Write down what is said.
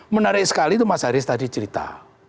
menarik sekali itu mas haris tadi cerita